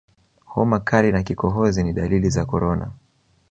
homa kali na kikohozi ni dalili za korona